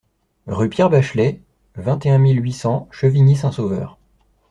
Rue Pierre Bachelet, vingt et un mille huit cents Chevigny-Saint-Sauveur